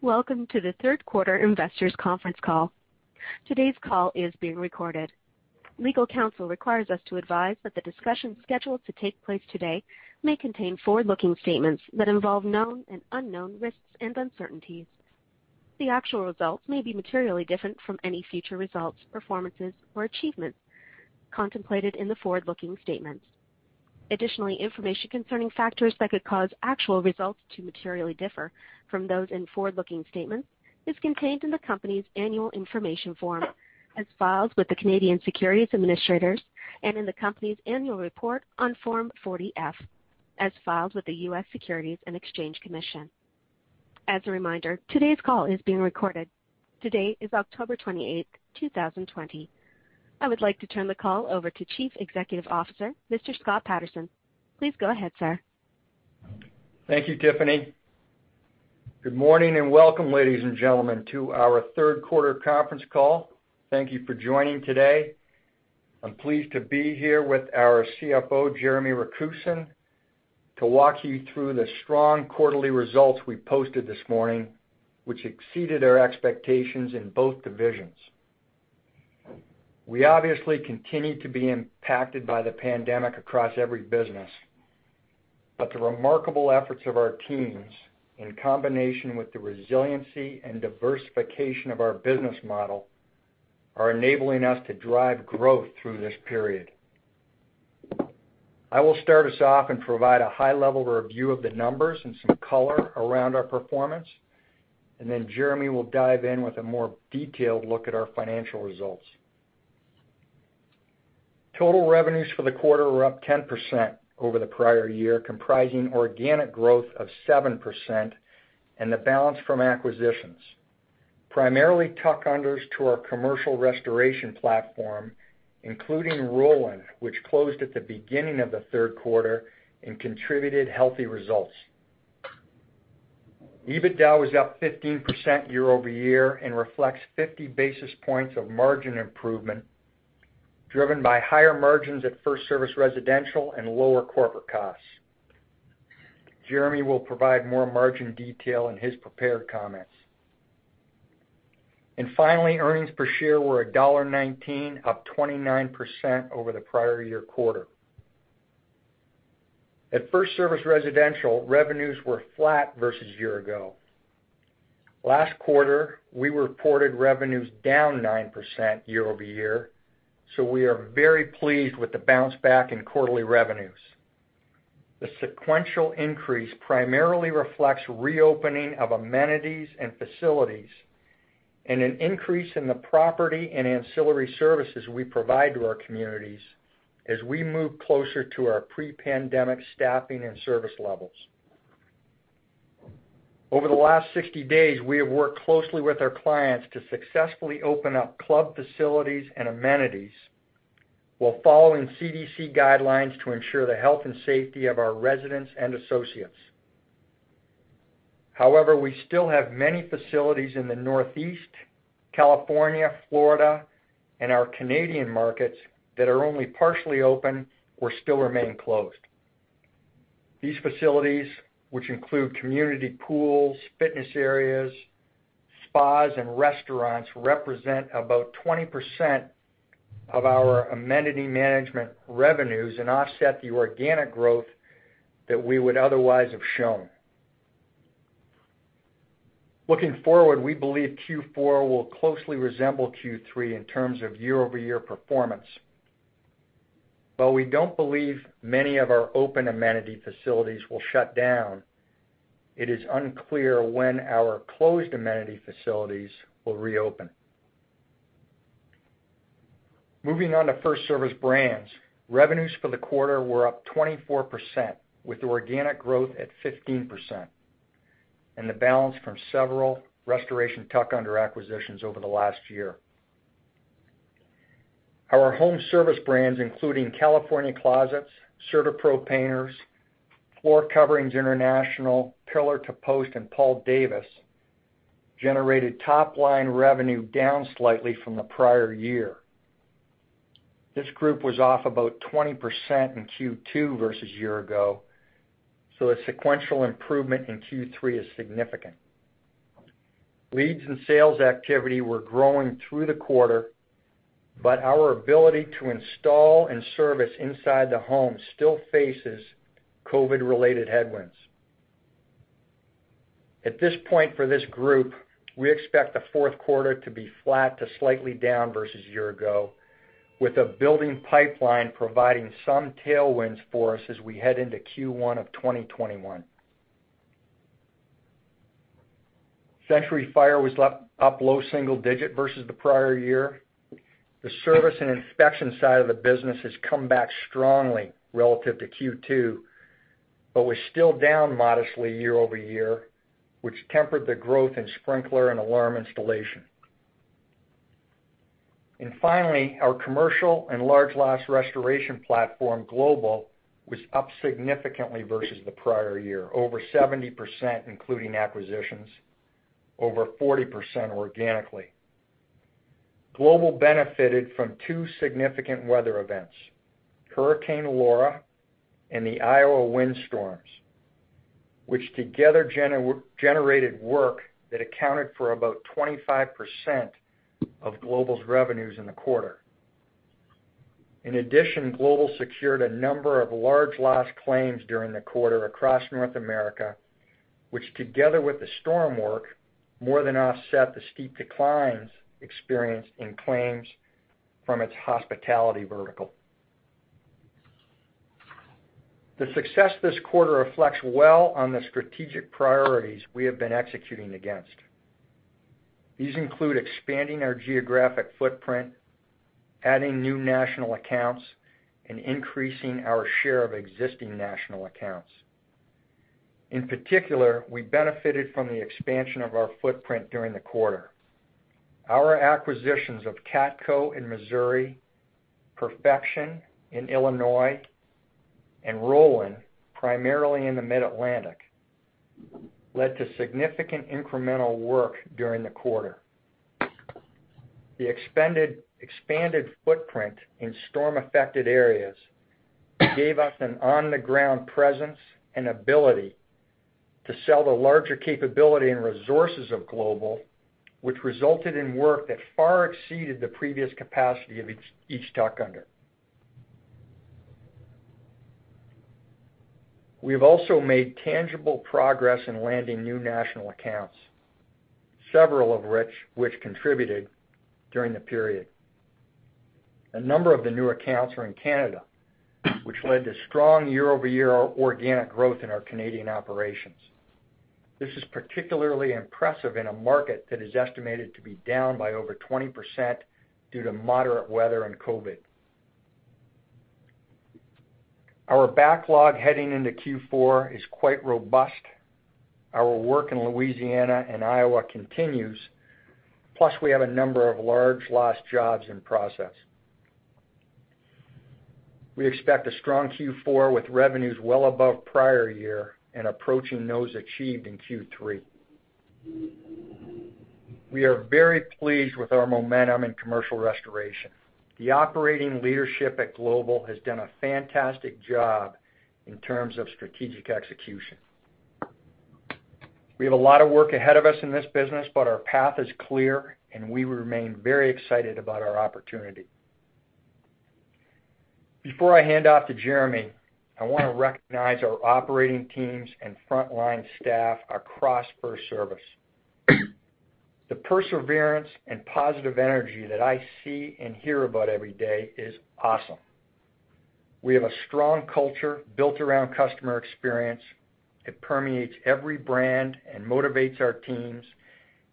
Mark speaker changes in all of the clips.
Speaker 1: Welcome to the Third Quarter Investors Conference Call. Today's call is being recorded. Legal counsel requires us to advise that the discussion scheduled to take place today may contain forward-looking statements that involve known and unknown risks and uncertainties. The actual results may be materially different from any future results, performances, or achievements contemplated in the forward-looking statements. Additionally, information concerning factors that could cause actual results to materially differ from those in forward-looking statements is contained in the company's annual information form as filed with the Canadian Securities Administrators and in the company's annual report on Form 40-F as filed with the U.S. Securities and Exchange Commission. As a reminder, today's call is being recorded. Today is October 28th, 2020. I would like to turn the call over to Chief Executive Officer, Mr. Scott Patterson. Please go ahead, sir.
Speaker 2: Thank you, Tiffany. Good morning and welcome, ladies and gentlemen, to our Third Quarter Conference Call. Thank you for joining today. I'm pleased to be here with our CFO, Jeremy Rakusin, to walk you through the strong quarterly results we posted this morning, which exceeded our expectations in both divisions. We obviously continue to be impacted by the pandemic across every business, but the remarkable efforts of our teams, in combination with the resiliency and diversification of our business model, are enabling us to drive growth through this period. I will start us off and provide a high-level review of the numbers and some color around our performance, and then Jeremy will dive in with a more detailed look at our financial results. Total revenues for the quarter were up 10% over the prior year, comprising organic growth of 7% and the balance from acquisitions. Primarily tuck unders to our commercial restoration platform, including Rolyn, which closed at the beginning of the third quarter and contributed healthy results. EBITDA was up 15% year-over-year and reflects 50 basis points of margin improvement, driven by higher margins at FirstService Residential and lower corporate costs. Jeremy will provide more margin detail in his prepared comments. And finally, earnings per share were $1.19, up 29% over the prior year quarter. At FirstService Residential, revenues were flat versus a year ago. Last quarter, we reported revenues down 9% year-over-year, so we are very pleased with the bounce back in quarterly revenues. The sequential increase primarily reflects reopening of amenities and facilities and an increase in the property and ancillary services we provide to our communities as we move closer to our pre-pandemic staffing and service levels. Over the last 60 days, we have worked closely with our clients to successfully open up club facilities and amenities while following CDC guidelines to ensure the health and safety of our residents and associates. However, we still have many facilities in the Northeast, California, Florida, and our Canadian markets that are only partially open or still remain closed. These facilities, which include community pools, fitness areas, spas, and restaurants, represent about 20% of our amenity management revenues and offset the organic growth that we would otherwise have shown. Looking forward, we believe Q4 will closely resemble Q3 in terms of year-over-year performance. While we don't believe many of our open amenity facilities will shut down, it is unclear when our closed amenity facilities will reopen. Moving on to FirstService Brands, revenues for the quarter were up 24% with organic growth at 15% and the balance from several restoration tuck-under acquisitions over the last year. Our home service brands, including California Closets, CertaPro Painters, Floor Coverings International, Pillar To Post, and Paul Davis, generated top-line revenue down slightly from the prior year. This group was off about 20% in Q2 versus a year ago, so a sequential improvement in Q3 is significant. Leads and sales activity were growing through the quarter, but our ability to install and service inside the home still faces COVID-related headwinds. At this point for this group, we expect the fourth quarter to be flat to slightly down versus a year ago, with a building pipeline providing some tailwinds for us as we head into Q1 of 2021. Century Fire was up low single digit versus the prior year. The service and inspection side of the business has come back strongly relative to Q2, but was still down modestly year-over-year, which tempered the growth in sprinkler and alarm installation. Finally, our commercial and large loss restoration platform, Global, was up significantly versus the prior year, over 70% including acquisitions, over 40% organically. Global benefited from two significant weather events: Hurricane Laura and the Iowa windstorms, which together generated work that accounted for about 25% of Global's revenues in the quarter. In addition, Global secured a number of large loss claims during the quarter across North America, which together with the storm work more than offset the steep declines experienced in claims from its hospitality vertical. The success this quarter reflects well on the strategic priorities we have been executing against. These include expanding our geographic footprint, adding new national accounts, and increasing our share of existing national accounts. In particular, we benefited from the expansion of our footprint during the quarter. Our acquisitions of CATCO in Missouri, Perfection in Illinois, and Rolyn, primarily in the Mid-Atlantic, led to significant incremental work during the quarter. The expanded footprint in storm-affected areas gave us an on-the-ground presence and ability to sell the larger capability and resources of Global, which resulted in work that far exceeded the previous capacity of each tuck-under. We have also made tangible progress in landing new national accounts, several of which contributed during the period. A number of the new accounts are in Canada, which led to strong year-over-year organic growth in our Canadian operations. This is particularly impressive in a market that is estimated to be down by over 20% due to moderate weather and COVID. Our backlog heading into Q4 is quite robust. Our work in Louisiana and Iowa continues, plus we have a number of large loss jobs in process. We expect a strong Q4 with revenues well above prior year and approaching those achieved in Q3. We are very pleased with our momentum in commercial restoration. The operating leadership at Global has done a fantastic job in terms of strategic execution. We have a lot of work ahead of us in this business, but our path is clear, and we remain very excited about our opportunity. Before I hand off to Jeremy, I want to recognize our operating teams and frontline staff across FirstService. The perseverance and positive energy that I see and hear about every day is awesome. We have a strong culture built around customer experience. It permeates every brand and motivates our teams,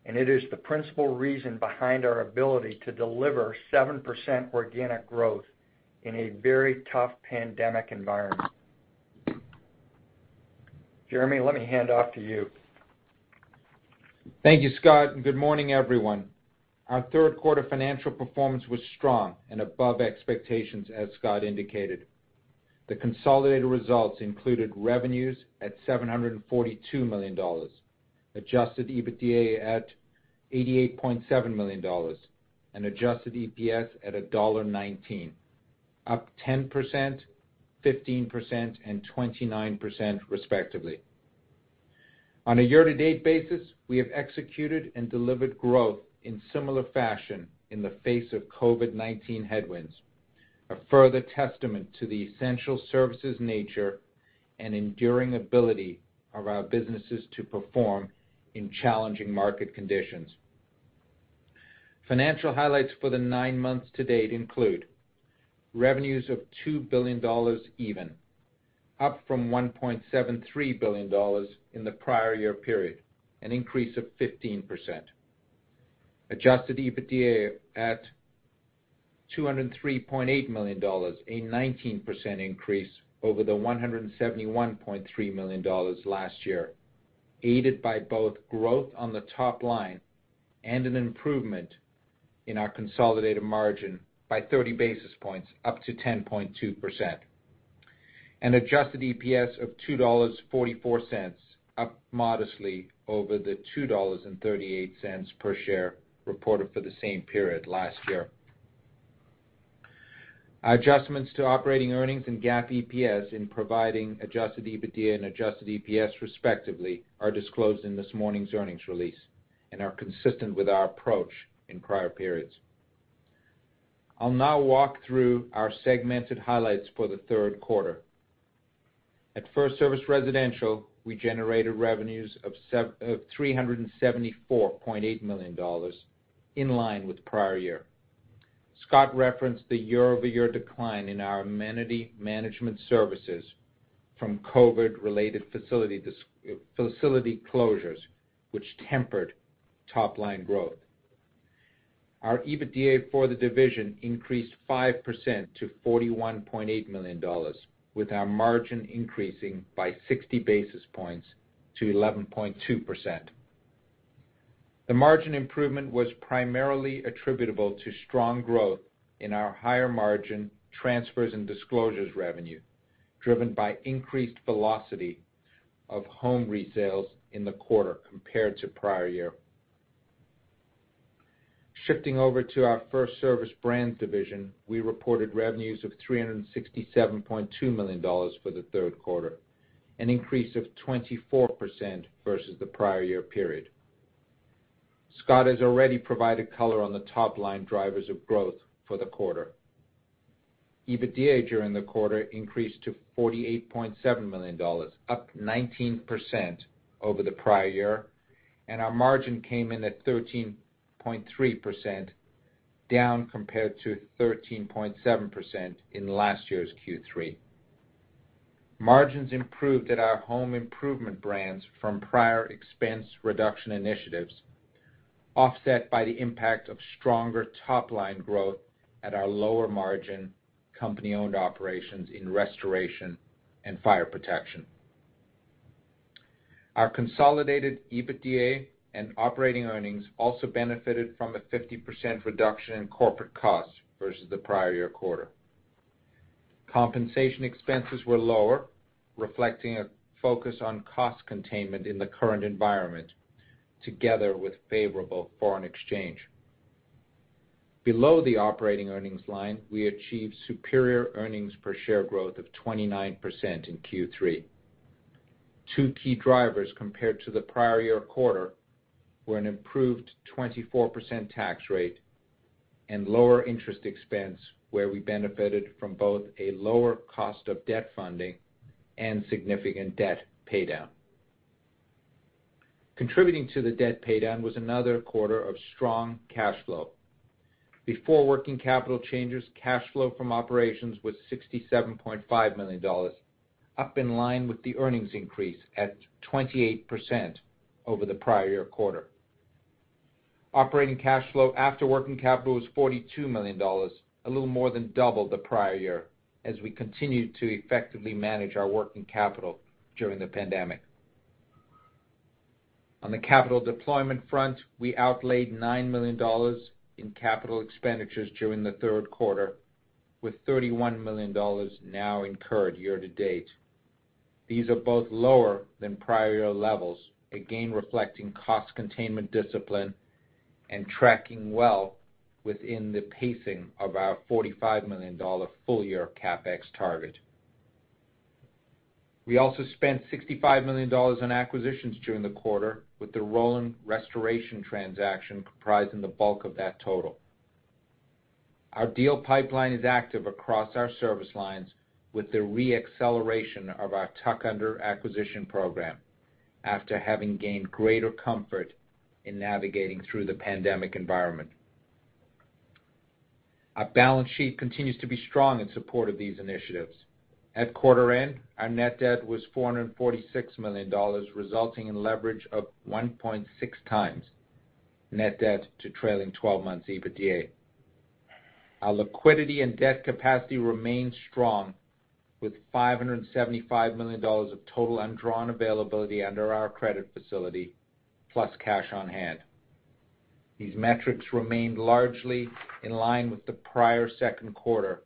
Speaker 2: and it is the principal reason behind our ability to deliver 7% organic growth in a very tough pandemic environment. Jeremy, let me hand off to you.
Speaker 3: Thank you, Scott. Good morning, everyone. Our third quarter financial performance was strong and above expectations, as Scott indicated. The consolidated results included revenues at $742 million, adjusted EBITDA at $88.7 million, and adjusted EPS at $1.19, up 10%, 15%, and 29%, respectively. On a year-to-date basis, we have executed and delivered growth in similar fashion in the face of COVID-19 headwinds, a further testament to the essential services nature and enduring ability of our businesses to perform in challenging market conditions. Financial highlights for the nine months to date include revenues of $2 billion even, up from $1.73 billion in the prior year period, an increase of 15%. Adjusted EBITDA at $203.8 million, a 19% increase over the $171.3 million last year, aided by both growth on the top line and an improvement in our consolidated margin by 30 basis points, up to 10.2%. Adjusted EPS of $2.44, up modestly over the $2.38 per share reported for the same period last year. Adjustments to operating earnings and GAAP EPS in providing adjusted EBITDA and adjusted EPS, respectively, are disclosed in this morning's earnings release and are consistent with our approach in prior periods. I'll now walk through our segmented highlights for the third quarter. At FirstService Residential, we generated revenues of $374.8 million in line with prior year. Scott referenced the year-over-year decline in our amenity management services from COVID-related facility closures, which tempered top-line growth. Our EBITDA for the division increased 5% to $41.8 million, with our margin increasing by 60 basis points to 11.2%. The margin improvement was primarily attributable to strong growth in our higher margin transfers and disclosures revenue, driven by increased velocity of home resales in the quarter compared to prior year. Shifting over to our FirstService Brands division, we reported revenues of $367.2 million for the third quarter, an increase of 24% versus the prior year period. Scott has already provided color on the top-line drivers of growth for the quarter. EBITDA during the quarter increased to $48.7 million, up 19% over the prior year, and our margin came in at 13.3%, down compared to 13.7% in last year's Q3. Margins improved at our home improvement brands from prior expense reduction initiatives, offset by the impact of stronger top-line growth at our lower margin company-owned operations in restoration and fire protection. Our consolidated EBITDA and operating earnings also benefited from a 50% reduction in corporate costs versus the prior year quarter. Compensation expenses were lower, reflecting a focus on cost containment in the current environment, together with favorable foreign exchange. Below the operating earnings line, we achieved superior earnings per share growth of 29% in Q3. Two key drivers compared to the prior year quarter were an improved 24% tax rate and lower interest expense, where we benefited from both a lower cost of debt funding and significant debt paydown. Contributing to the debt paydown was another quarter of strong cash flow. Before working capital changes, cash flow from operations was $67.5 million, up in line with the earnings increase at 28% over the prior year quarter. Operating cash flow after working capital was $42 million, a little more than double the prior year, as we continued to effectively manage our working capital during the pandemic. On the capital deployment front, we outlayed $9 million in capital expenditures during the third quarter, with $31 million now incurred year-to-date. These are both lower than prior year levels, again reflecting cost containment discipline and tracking well within the pacing of our $45 million full-year CapEx target. We also spent $65 million in acquisitions during the quarter, with the Rolyn restoration transaction comprising the bulk of that total. Our deal pipeline is active across our service lines, with the re-acceleration of our tuck under acquisition program after having gained greater comfort in navigating through the pandemic environment. Our balance sheet continues to be strong in support of these initiatives. At quarter end, our net debt was $446 million, resulting in leverage of 1.6 times net debt to trailing 12 months EBITDA. Our liquidity and debt capacity remained strong, with $575 million of total undrawn availability under our credit facility, plus cash on hand. These metrics remained largely in line with the prior second quarter,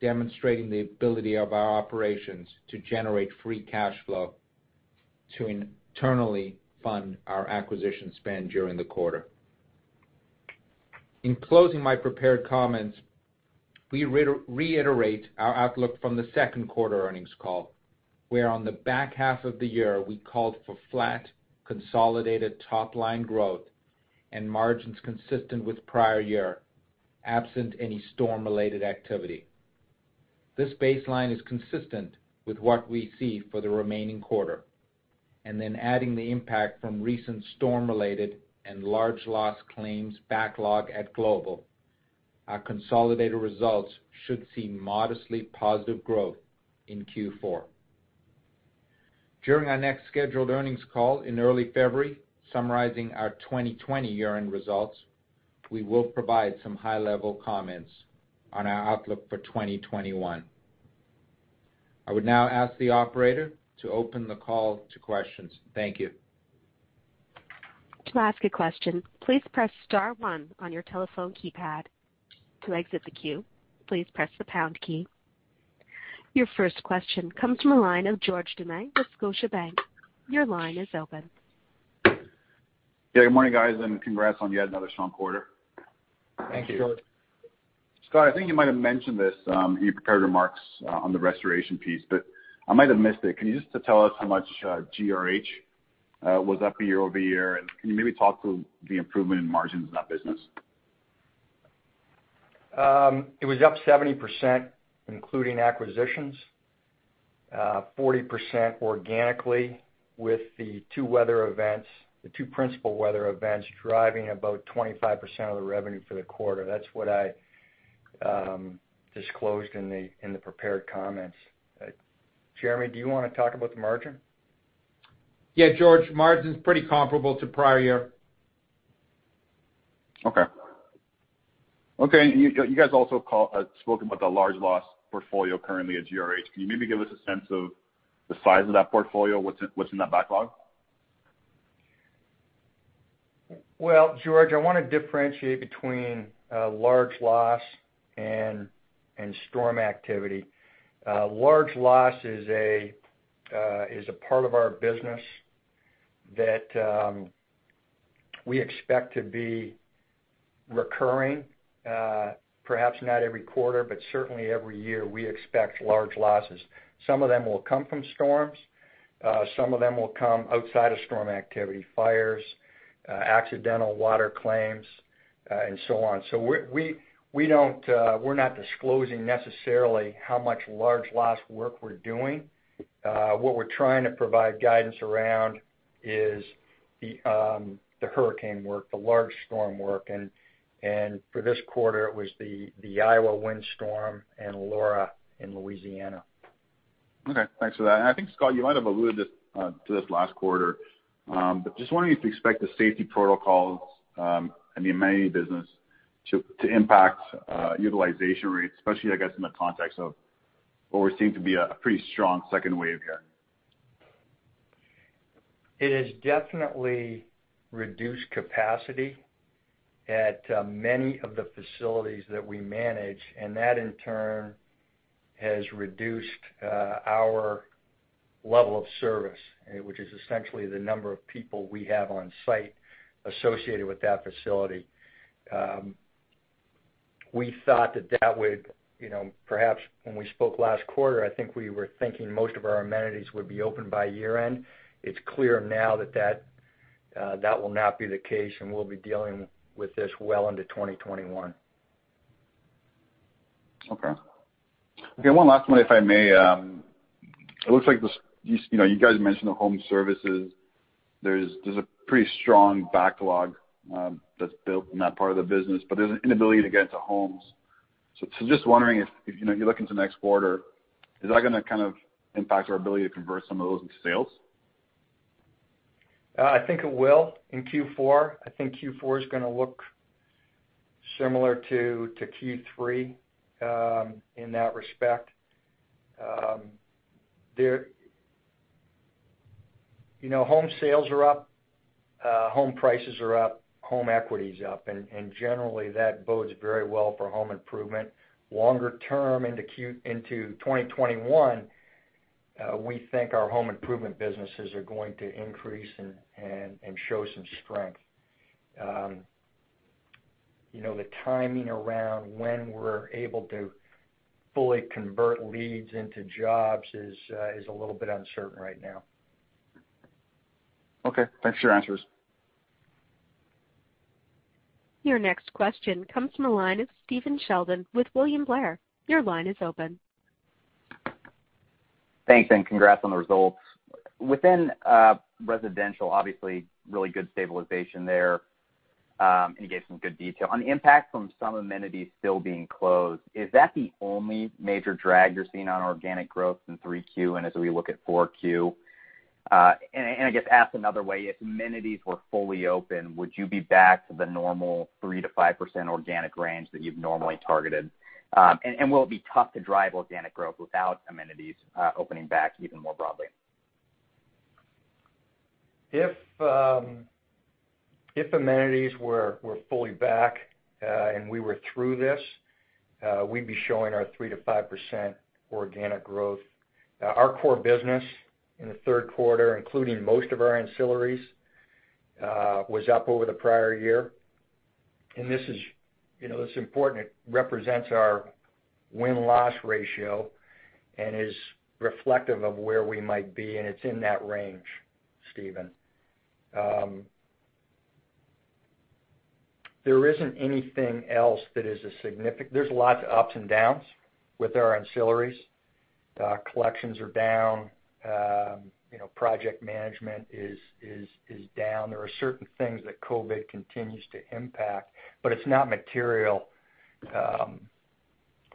Speaker 3: demonstrating the ability of our operations to generate free cash flow to internally fund our acquisition spend during the quarter. In closing my prepared comments, we reiterate our outlook from the second quarter earnings call, where on the back half of the year we called for flat consolidated top-line growth and margins consistent with prior year, absent any storm-related activity. This baseline is consistent with what we see for the remaining quarter. Then adding the impact from recent storm-related and large loss claims backlog at Global, our consolidated results should see modestly positive growth in Q4. During our next scheduled earnings call in early February, summarizing our 2020 year-end results, we will provide some high-level comments on our outlook for 2021. I would now ask the operator to open the call to questions. Thank you.
Speaker 1: To ask a question, please press star one on your telephone keypad. To exit the queue, please press the pound key. Your first question comes from a line of George Doumet with Scotiabank. Your line is open.
Speaker 4: Yeah. Good morning, guys, and congrats on yet another strong quarter.
Speaker 2: Thank you, George.
Speaker 4: Scott, I think you might have mentioned this in your prepared remarks on the restoration piece, but I might have missed it. Can you just tell us how much GRH was up year-over-year, and can you maybe talk through the improvement in margins in that business?
Speaker 2: It was up 70%, including acquisitions, 40% organically, with the two weather events, the two principal weather events driving about 25% of the revenue for the quarter. That's what I disclosed in the prepared comments. Jeremy, do you want to talk about the margin?
Speaker 3: Yeah, George. Margin's pretty comparable to prior year.
Speaker 4: Okay. Okay. And you guys also spoke about the large loss portfolio currently at GRH. Can you maybe give us a sense of the size of that portfolio, what's in that backlog?
Speaker 3: Well, George, I want to differentiate between large loss and storm activity. Large loss is a part of our business that we expect to be recurring, perhaps not every quarter, but certainly every year. We expect large losses. Some of them will come from storms. Some of them will come outside of storm activity: fires, accidental water claims, and so on. So we're not disclosing necessarily how much large loss work we're doing. What we're trying to provide guidance around is the hurricane work, the large storm work. And for this quarter, it was the Iowa windstorm and Laura in Louisiana.
Speaker 4: Okay. Thanks for that. I think, Scott, you might have alluded to this last quarter, but just wondering if you expect the safety protocols and the amenity business to impact utilization rates, especially, I guess, in the context of what we're seeing to be a pretty strong second wave here?
Speaker 2: It has definitely reduced capacity at many of the facilities that we manage, and that in turn has reduced our level of service, which is essentially the number of people we have on site associated with that facility. We thought that that would perhaps, when we spoke last quarter, I think we were thinking most of our amenities would be open by year-end. It's clear now that that will not be the case, and we'll be dealing with this well into 2021.
Speaker 4: Okay. Okay. One last one, if I may. It looks like you guys mentioned the home services. There's a pretty strong backlog that's built in that part of the business, but there's an inability to get into homes. So just wondering if you're looking to next quarter, is that going to kind of impact our ability to convert some of those into sales?
Speaker 2: I think it will in Q4. I think Q4 is going to look similar to Q3 in that respect. Home sales are up, home prices are up, home equity's up, and generally, that bodes very well for home improvement. Longer term, into 2021, we think our home improvement businesses are going to increase and show some strength. The timing around when we're able to fully convert leads into jobs is a little bit uncertain right now.
Speaker 4: Okay. Thanks for your answers.
Speaker 1: Your next question comes from a line of Stephen Sheldon with William Blair. Your line is open.
Speaker 5: Thanks, and congrats on the results. Within residential, obviously, really good stabilization there, and you gave some good detail. On the impact from some amenities still being closed, is that the only major drag you're seeing on organic growth in 3Q and as we look at 4Q? And I guess asked another way, if amenities were fully open, would you be back to the normal 3%-5% organic range that you've normally targeted? And will it be tough to drive organic growth without amenities opening back even more broadly?
Speaker 2: If amenities were fully back and we were through this, we'd be showing our 3%-5% organic growth. Our core business in the third quarter, including most of our ancillaries, was up over the prior year. This is important. It represents our win-loss ratio and is reflective of where we might be, and it's in that range, Stephen. There isn't anything else that is a significant. There's lots of ups and downs with our ancillaries. Collections are down. Project management is down. There are certain things that COVID continues to impact, but it's not material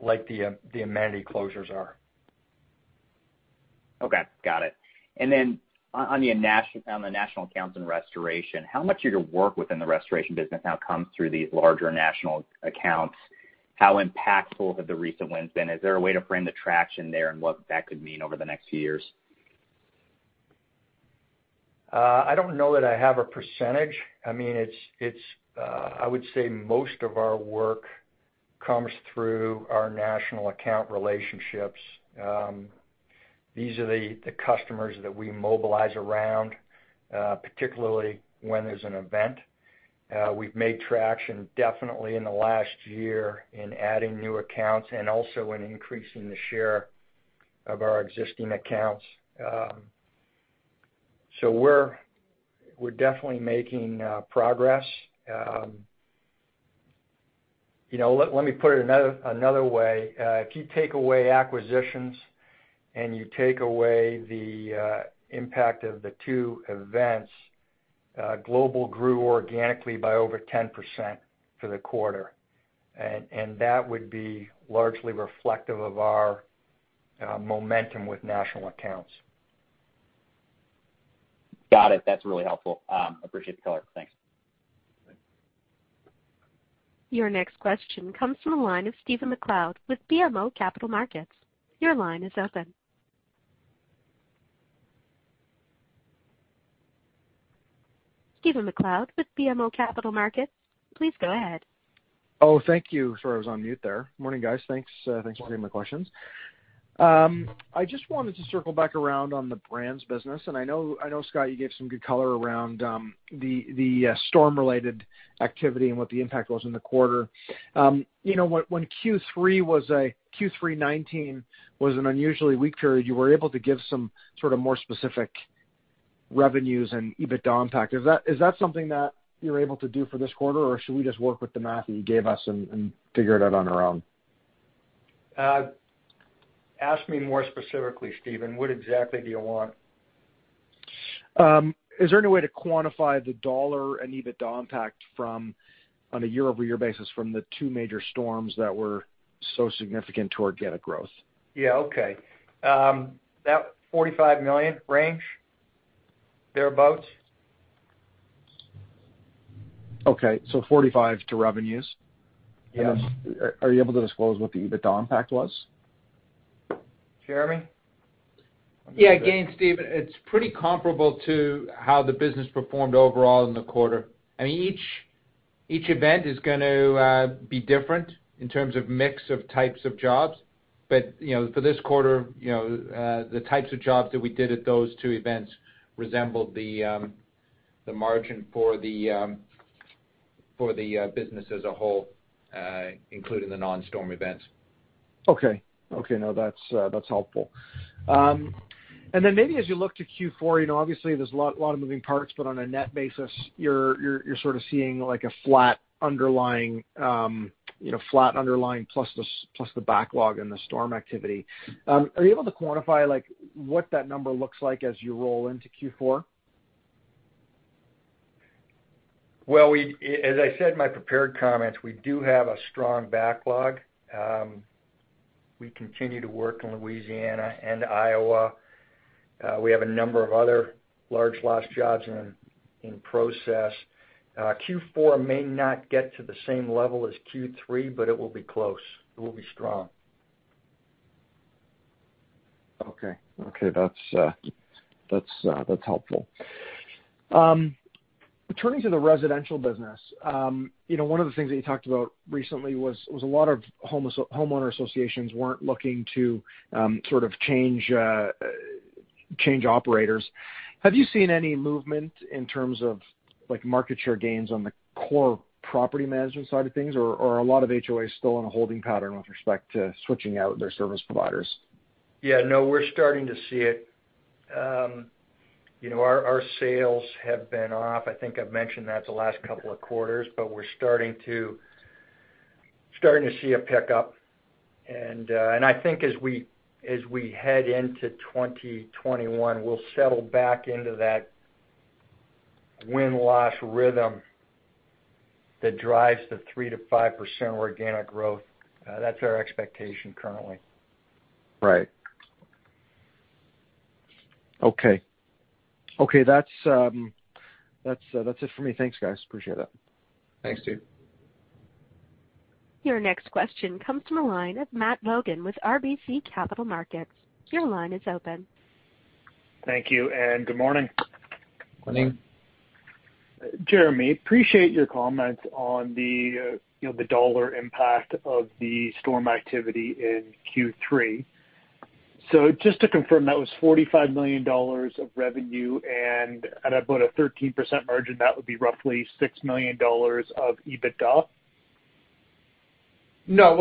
Speaker 2: like the amenity closures are.
Speaker 5: Okay. Got it. And then on the national accounts and restoration, how much of your work within the restoration business now comes through these larger national accounts? How impactful have the recent wins been? Is there a way to frame the traction there and what that could mean over the next few years?
Speaker 2: I don't know that I have a percentage. I mean, I would say most of our work comes through our national account relationships. These are the customers that we mobilize around, particularly when there's an event. We've made traction definitely in the last year in adding new accounts and also in increasing the share of our existing accounts. So we're definitely making progress. Let me put it another way. If you take away acquisitions and you take away the impact of the two events, Global grew organically by over 10% for the quarter. And that would be largely reflective of our momentum with national accounts.
Speaker 5: Got it. That's really helpful. Appreciate the color. Thanks.
Speaker 1: Your next question comes from a line of Stephen MacLeod with BMO Capital Markets. Your line is open. Stephen MacLeod with BMO Capital Markets. Please go ahead.
Speaker 6: Oh, thank you. Sorry, I was on mute there. Morning, guys. Thanks for taking my questions. I just wanted to circle back around on the brands business. And I know, Scott, you gave some good color around the storm-related activity and what the impact was in the quarter. When Q3 was a Q3 2019 was an unusually weak period, you were able to give some sort of more specific revenues and EBITDA impact. Is that something that you're able to do for this quarter, or should we just work with the math that you gave us and figure it out on our own?
Speaker 2: Ask me more specifically, Stephen. What exactly do you want?
Speaker 6: Is there any way to quantify the dollar and EBITDA impact on a year-over-year basis from the two major storms that were so significant to organic growth?
Speaker 2: Yeah. Okay. That $45 million range, thereabouts?
Speaker 6: Okay. So 45 to revenues?
Speaker 2: Yes.
Speaker 6: Are you able to disclose what the EBITDA impact was?
Speaker 2: Jeremy?
Speaker 3: Yeah. Again, Stephen, it's pretty comparable to how the business performed overall in the quarter. I mean, each event is going to be different in terms of mix of types of jobs. But for this quarter, the types of jobs that we did at those two events resembled the margin for the business as a whole, including the non-storm events.
Speaker 6: Okay. Okay. No, that's helpful. And then maybe as you look to Q4, obviously, there's a lot of moving parts, but on a net basis, you're sort of seeing a flat underlying plus the backlog and the storm activity. Are you able to quantify what that number looks like as you roll into Q4?
Speaker 2: Well, as I said in my prepared comments, we do have a strong backlog. We continue to work in Louisiana and Iowa. We have a number of other large loss jobs in process. Q4 may not get to the same level as Q3, but it will be close. It will be strong.
Speaker 6: Okay. Okay. That's helpful. Turning to the residential business, one of the things that you talked about recently was a lot of homeowner associations weren't looking to sort of change operators. Have you seen any movement in terms of market share gains on the core property management side of things, or are a lot of HOAs still in a holding pattern with respect to switching out their service providers?
Speaker 2: Yeah. No, we're starting to see it. Our sales have been off. I think I've mentioned that the last couple of quarters, but we're starting to see a pickup. I think as we head into 2021, we'll settle back into that win-loss rhythm that drives the 3%-5% organic growth. That's our expectation currently.
Speaker 6: Right. Okay. Okay. That's it for me. Thanks, guys. Appreciate it.
Speaker 3: Thanks, Steve.
Speaker 1: Your next question comes from a line of Matt Logan with RBC Capital Markets. Your line is open.
Speaker 7: Thank you. Good morning.
Speaker 3: Morning.
Speaker 7: Jeremy, appreciate your comments on the dollar impact of the storm activity in Q3. So just to confirm, that was $45 million of revenue, and at about a 13% margin, that would be roughly $6 million of EBITDA?
Speaker 3: No.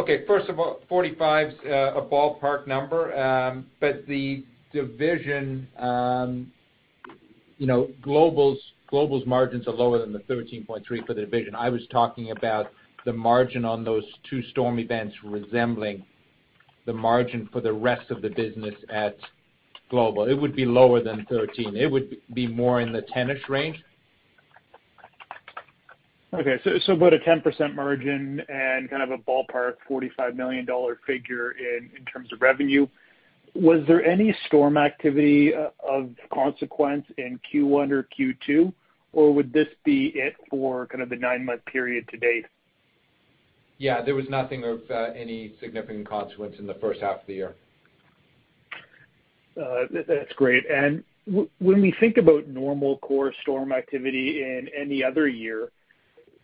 Speaker 3: Okay. First of all, 45's a ballpark number, but the division, Global's margins are lower than the 13.3 for the division. I was talking about the margin on those two storm events resembling the margin for the rest of the business at Global. It would be lower than 13. It would be more in the 10-ish range.
Speaker 7: Okay. So about a 10% margin and kind of a ballpark $45 million figure in terms of revenue. Was there any storm activity of consequence in Q1 or Q2, or would this be it for kind of the nine-month period to date?
Speaker 3: Yeah. There was nothing of any significant consequence in the first half of the year.
Speaker 7: That's great. When we think about normal core storm activity in any other year,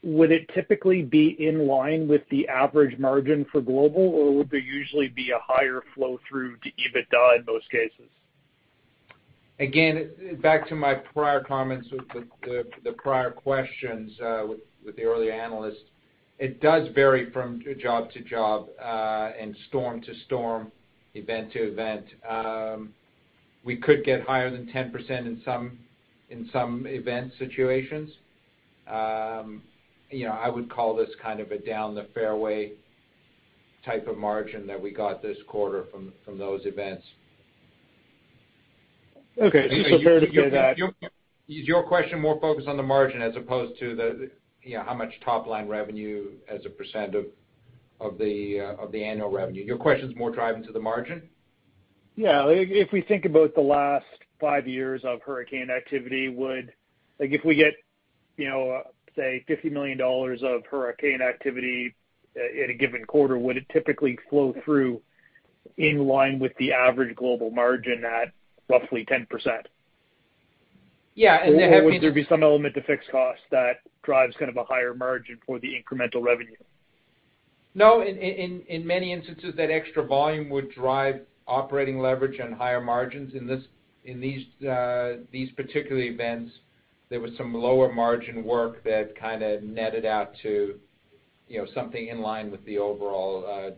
Speaker 7: would it typically be in line with the average margin for Global, or would there usually be a higher flow-through to EBITDA in most cases?
Speaker 3: Again, back to my prior comments with the prior questions with the early analysts, it does vary from job to job and storm to storm, event to event. We could get higher than 10% in some event situations. I would call this kind of a down the fairway type of margin that we got this quarter from those events.
Speaker 7: Okay. So fair to say that.
Speaker 3: Is your question more focused on the margin as opposed to how much top-line revenue as a % of the annual revenue? Your question's more driving to the margin?
Speaker 7: Yeah. If we think about the last 5 years of hurricane activity, if we get, say, $50 million of hurricane activity in a given quarter, would it typically flow through in line with the average global margin at roughly 10%?
Speaker 3: Yeah. And there have been.
Speaker 7: Or would there be some element to fixed costs that drives kind of a higher margin for the incremental revenue?
Speaker 3: No. In many instances, that extra volume would drive operating leverage and higher margins. In these particular events, there was some lower margin work that kind of netted out to something in line with the overall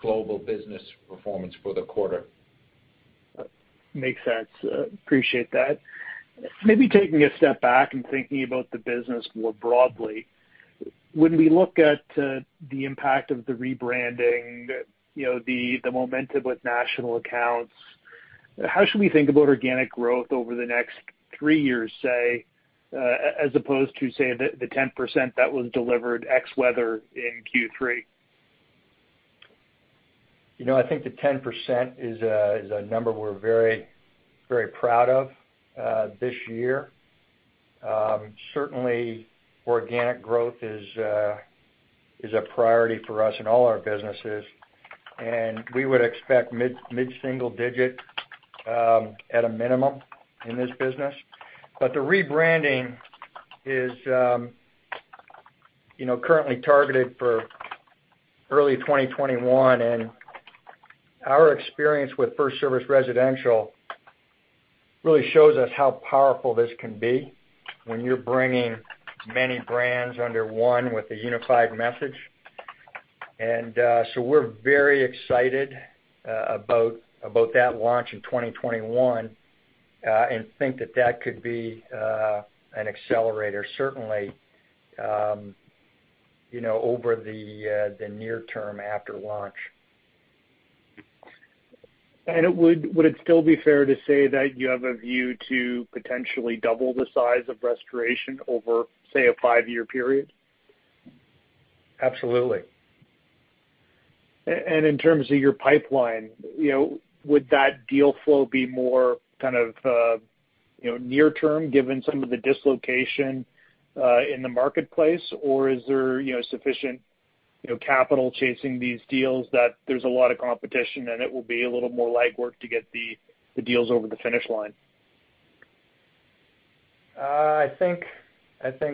Speaker 3: global business performance for the quarter.
Speaker 7: Makes sense. Appreciate that. Maybe taking a step back and thinking about the business more broadly, when we look at the impact of the rebranding, the momentum with national accounts, how should we think about organic growth over the next three years, say, as opposed to, say, the 10% that was delivered ex-weather in Q3?
Speaker 2: I think the 10% is a number we're very, very proud of this year. Certainly, organic growth is a priority for us in all our businesses. We would expect mid-single digit at a minimum in this business. The rebranding is currently targeted for early 2021. Our experience with FirstService Residential really shows us how powerful this can be when you're bringing many brands under one with a unified message. So we're very excited about that launch in 2021 and think that that could be an accelerator, certainly, over the near term after launch.
Speaker 7: Would it still be fair to say that you have a view to potentially double the size of restoration over, say, a five-year period?
Speaker 2: Absolutely.
Speaker 7: In terms of your pipeline, would that deal flow be more kind of near-term given some of the dislocation in the marketplace, or is there sufficient capital chasing these deals that there's a lot of competition and it will be a little more legwork to get the deals over the finish line?
Speaker 2: I think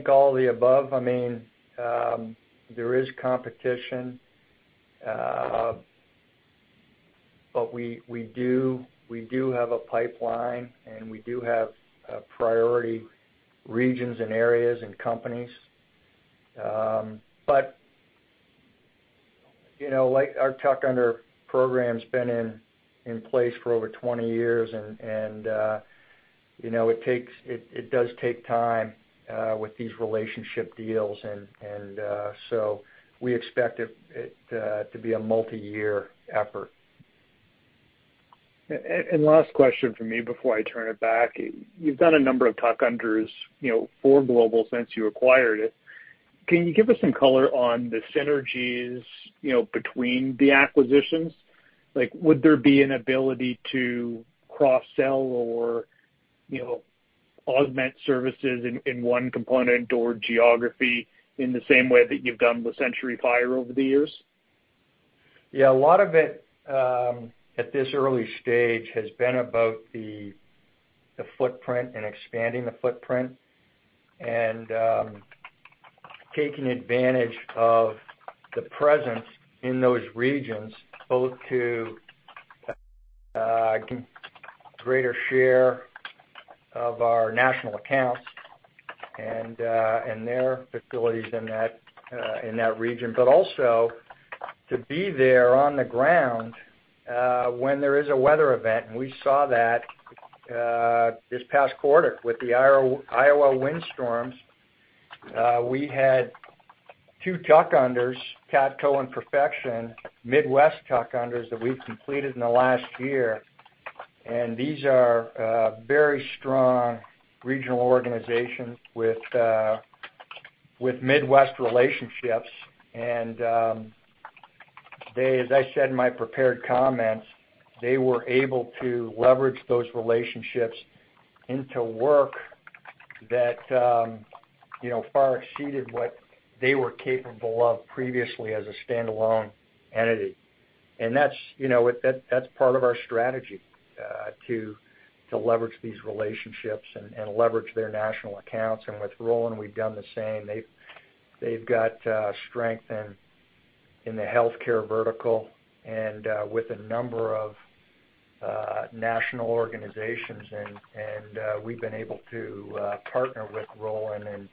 Speaker 2: all the above. I mean, there is competition, but we do have a pipeline, and we do have priority regions and areas and companies. But our tuck-under program's been in place for over 20 years, and it does take time with these relationship deals. And so we expect it to be a multi-year effort.
Speaker 7: Last question for me before I turn it back. You've done a number of tuck-unders for Global since you acquired it. Can you give us some color on the synergies between the acquisitions? Would there be an ability to cross-sell or augment services in one component or geography in the same way that you've done with Century Fire over the years?
Speaker 2: Yeah. A lot of it at this early stage has been about the footprint and expanding the footprint and taking advantage of the presence in those regions both to gain a greater share of our national accounts and their facilities in that region, but also to be there on the ground when there is a weather event. We saw that this past quarter with the Iowa windstorms. We had two tuck unders, CATCO and Perfection, Midwest tuck unders that we've completed in the last year. These are very strong regional organizations with Midwest relationships. As I said in my prepared comments, they were able to leverage those relationships into work that far exceeded what they were capable of previously as a standalone entity. That's part of our strategy to leverage these relationships and leverage their national accounts. With Rolyn, we've done the same. They've got strength in the healthcare vertical and with a number of national organizations. And we've been able to partner with Rolyn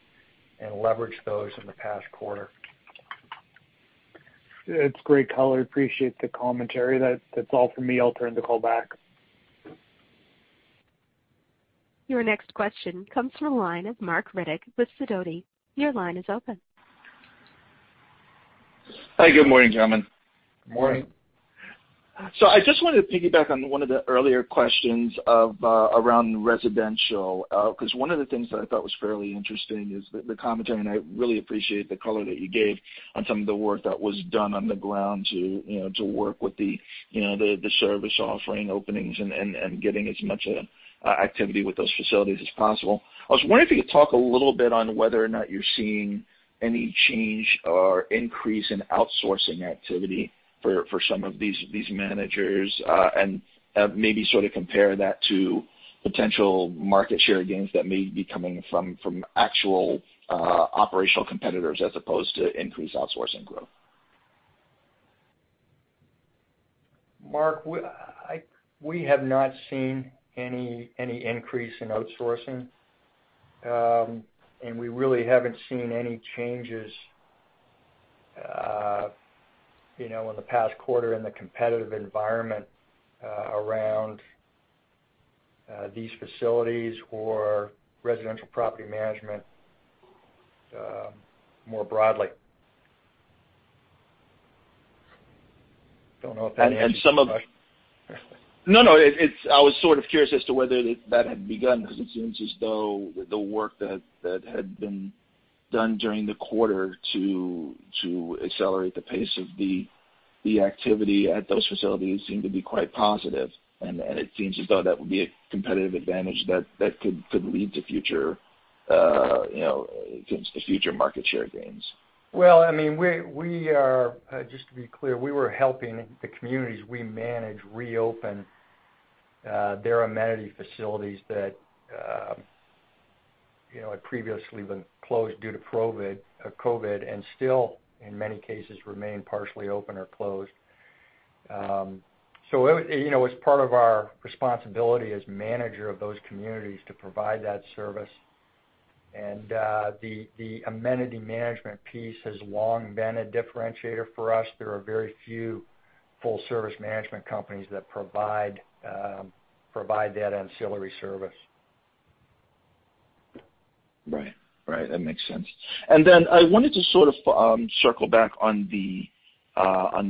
Speaker 2: and leverage those in the past quarter.
Speaker 7: It's great color. Appreciate the commentary. That's all for me. I'll turn the call back.
Speaker 1: Your next question comes from a line of Marc Riddick with Sidoti. Your line is open.
Speaker 8: Hi. Good morning, gentlemen.
Speaker 2: Good morning.
Speaker 8: So I just wanted to piggyback on one of the earlier questions around residential because one of the things that I thought was fairly interesting is the commentary, and I really appreciate the color that you gave on some of the work that was done on the ground to work with the service offering openings and getting as much activity with those facilities as possible. I was wondering if you could talk a little bit on whether or not you're seeing any change or increase in outsourcing activity for some of these managers and maybe sort of compare that to potential market share gains that may be coming from actual operational competitors as opposed to increased outsourcing growth.
Speaker 2: Marc, we have not seen any increase in outsourcing, and we really haven't seen any changes in the past quarter in the competitive environment around these facilities or residential property management more broadly. I don't know if that answers your question. Some of.
Speaker 8: No. No. I was sort of curious as to whether that had begun because it seems as though the work that had been done during the quarter to accelerate the pace of the activity at those facilities seemed to be quite positive. And it seems as though that would be a competitive advantage that could lead to future market share gains.
Speaker 2: Well, I mean, just to be clear, we were helping the communities we manage reopen their amenity facilities that had previously been closed due to COVID and still, in many cases, remain partially open or closed. So it's part of our responsibility as managers of those communities to provide that service. And the amenity management piece has long been a differentiator for us. There are very few full-service management companies that provide that ancillary service.
Speaker 8: Right. Right. That makes sense. And then I wanted to sort of circle back on the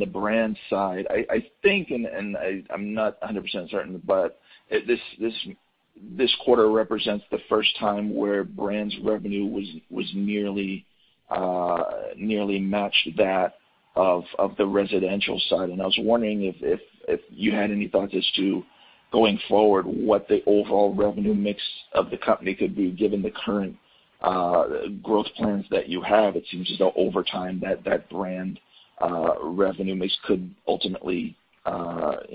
Speaker 8: brand side. I think, and I'm not 100% certain, but this quarter represents the first time where Brands revenue was nearly matched that of the residential side. And I was wondering if you had any thoughts as to, going forward, what the overall revenue mix of the company could be given the current growth plans that you have. It seems as though, over time, that brand revenue mix could ultimately, on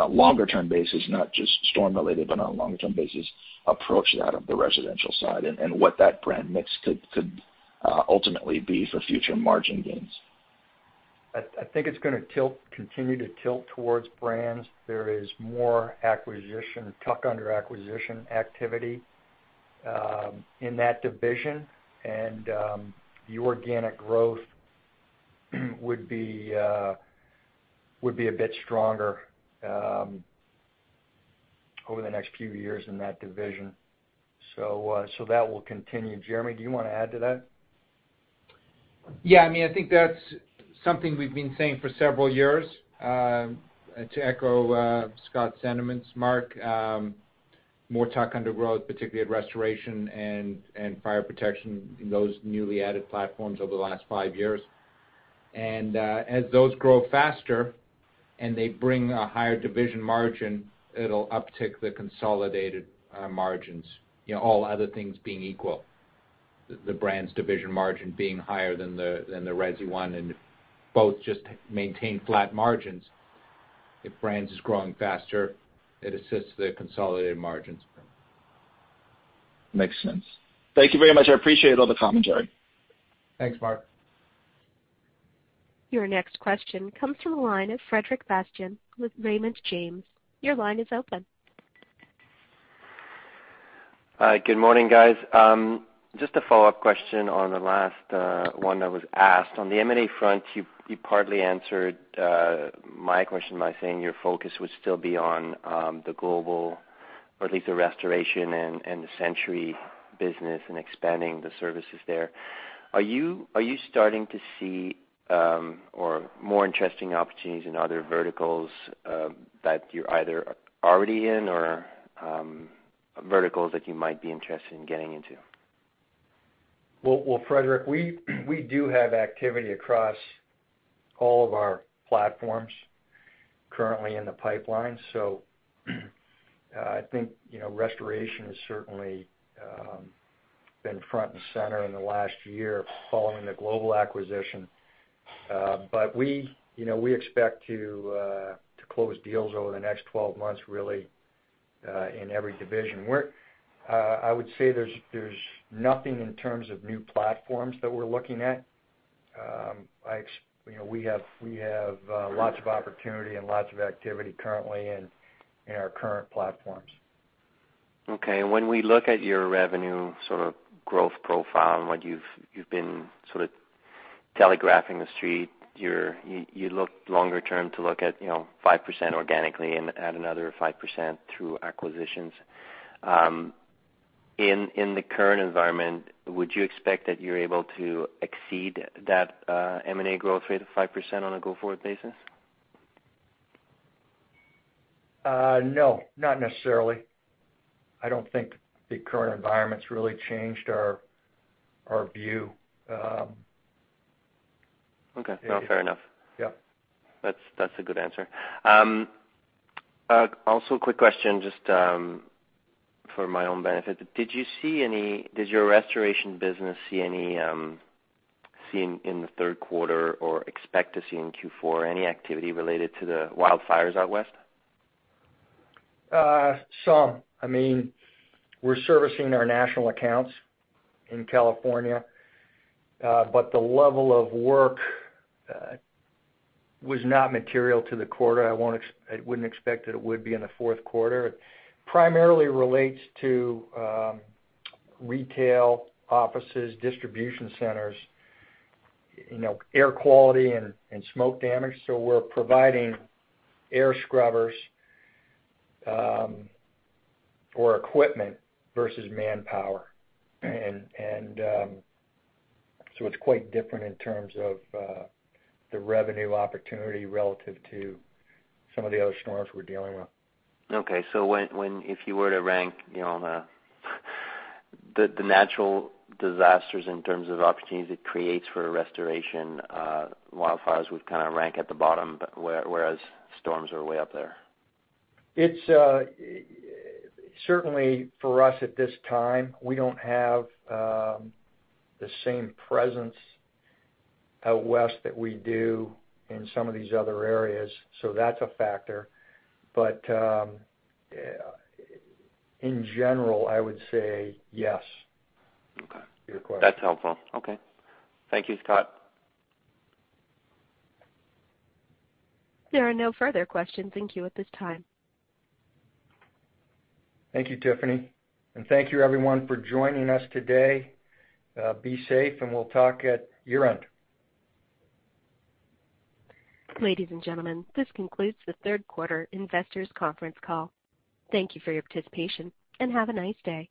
Speaker 8: a longer-term basis, not just storm-related, but on a longer-term basis, approach that of the residential side and what that brand mix could ultimately be for future margin gains.
Speaker 2: I think it's going to continue to tilt towards brands. There is more tuck-under acquisition activity in that division, and the organic growth would be a bit stronger over the next few years in that division. So that will continue. Jeremy, do you want to add to that?
Speaker 3: Yeah. I mean, I think that's something we've been saying for several years to echo Scott's sentiments, Marc, more tuck-under growth, particularly at restoration and fire protection, those newly added platforms over the last five years. And as those grow faster and they bring a higher division margin, it'll uptick the consolidated margins, all other things being equal, the Brands division margin being higher than the Resi one. And both just maintain flat margins. If brand is growing faster, it assists the consolidated margins.
Speaker 8: Makes sense. Thank you very much. I appreciate all the commentary.
Speaker 2: Thanks, Marc.
Speaker 1: Your next question comes from a line of Frederic Bastien with Raymond James. Your line is open.
Speaker 9: Good morning, guys. Just a follow-up question on the last one that was asked. On the M&A front, you partly answered my question by saying your focus would still be on the global, or at least the restoration and the Century business and expanding the services there. Are you starting to see more interesting opportunities in other verticals that you're either already in or verticals that you might be interested in getting into?
Speaker 2: Well, Frederic, we do have activity across all of our platforms currently in the pipeline. So I think restoration has certainly been front and center in the last year following the global acquisition. But we expect to close deals over the next 12 months, really, in every division. I would say there's nothing in terms of new platforms that we're looking at. We have lots of opportunity and lots of activity currently in our current platforms.
Speaker 9: Okay. When we look at your revenue sort of growth profile and what you've been sort of telegraphing the street, you look longer-term to look at 5% organically and add another 5% through acquisitions. In the current environment, would you expect that you're able to exceed that M&A growth rate of 5% on a go-forward basis?
Speaker 2: No. Not necessarily. I don't think the current environment's really changed our view.
Speaker 9: Okay. Not fair enough.
Speaker 2: Yeah.
Speaker 9: That's a good answer. Also, a quick question just for my own benefit. Did your restoration business see any in the third quarter or expect to see in Q4 any activity related to the wildfires out west?
Speaker 2: Some. I mean, we're servicing our national accounts in California, but the level of work was not material to the quarter. I wouldn't expect that it would be in the fourth quarter. It primarily relates to retail offices, distribution centers, air quality, and smoke damage. So we're providing air scrubbers or equipment versus manpower. And so it's quite different in terms of the revenue opportunity relative to some of the other storms we're dealing with.
Speaker 9: Okay. So if you were to rank the natural disasters in terms of opportunities it creates for restoration, wildfires would kind of rank at the bottom, whereas storms are way up there?
Speaker 2: Certainly, for us at this time, we don't have the same presence out west that we do in some of these other areas. So that's a factor. But in general, I would say yes to your question.
Speaker 9: Okay. That's helpful. Okay. Thank you, Scott.
Speaker 1: There are no further questions. Thank you at this time.
Speaker 3: Thank you, Tiffany. Thank you, everyone, for joining us today. Be safe, and we'll talk at tuck-under.
Speaker 1: Ladies and gentlemen, this concludes the third quarter investors conference call. Thank you for your participation, and have a nice day.